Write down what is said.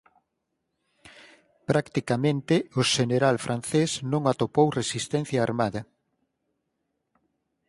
Practicamente o xeneral francés non atopou resistencia armada.